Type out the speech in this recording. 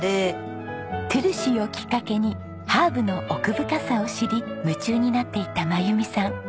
トゥルシーをきっかけにハーブの奥深さを知り夢中になっていった真由美さん。